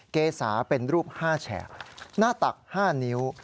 เกษาเป็นรูป๕แฉกหน้าตัก๕นิ้ว